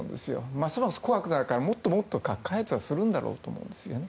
ますます怖くなるからもっともっと核開発するんだろうと思うんですね。